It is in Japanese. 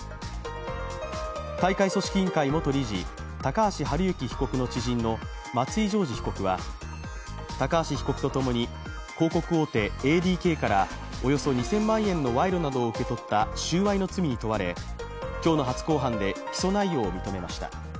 大会組織委員会元理事・高橋治之被告の知人の松井譲二被告は高橋被告とともに広告大手ＡＤＫからおよそ２０００万円の賄賂などを受け取った収賄の罪に問われ、今日の初公判で起訴内容を認めました。